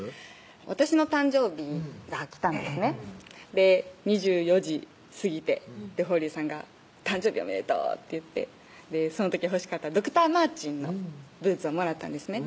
私の誕生日が来たんですねで２４時過ぎて峰龍さんが「誕生日おめでとう」って言ってその時欲しかったＤｒ．Ｍａｒｔｅｎｓのブーツをもらったんですね